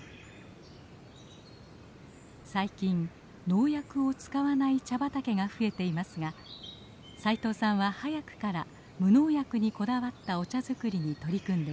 最近農薬を使わない茶畑が増えていますが斉藤さんは早くから無農薬にこだわったお茶作りに取り組んでいます。